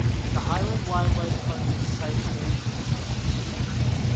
The Highland Wildlife Park is sited very close by.